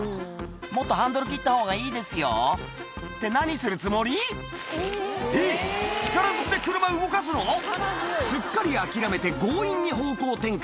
もっとハンドル切った方がいいですよって何するつもり⁉えっ力ずくで車動かすの⁉すっかり諦めて強引に方向転換